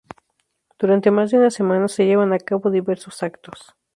Durante más de una semana se llevan a cabo diversos actos.